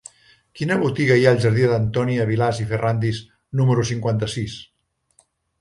Quina botiga hi ha al jardí d'Antònia Vilàs i Ferràndiz número cinquanta-sis?